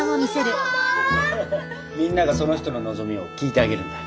みんながその人の望みを聞いてあげるんだ。